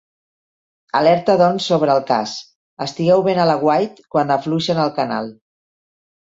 Alerta doncs sobre el cas: estigueu ben a l'aguait quan afluixen el canal.